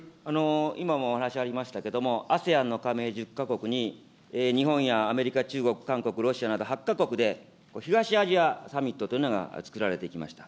今もお話ありましたけれども、ＡＳＥＡＮの加盟１０か国に日本やアメリカ、中国、韓国、ロシアなど８か国で東アジアサミットというのがつくられてきました。